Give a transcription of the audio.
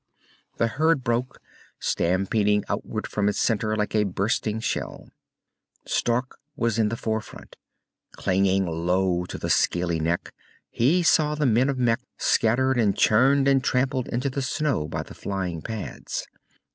The herd broke, stampeding outward from its center like a bursting shell. Stark was in the forefront. Clinging low to the scaly neck, he saw the men of Mekh scattered and churned and tramped into the snow by the flying pads.